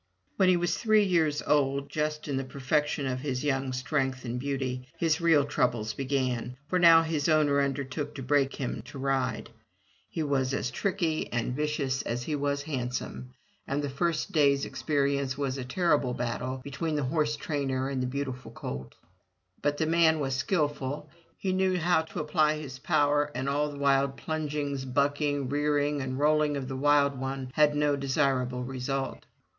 When he was three years of age, just in the perfection of his young strength and beauty, his real troubles began, for now his owner undertook to break him to ride. He was as tricky and *Used by permission of the publishers, Doubleday, Page & Co. 2l8 FROM THE TOWER WINDOW vicious as he was handsome, and the first day's experience was a terrible battle between the horse trainer and the beautiful colt. But the man was skillful. He knew how to apply his power, and all the wild plunging, bucking, rearing, and rolling of the wild one had no desirable result.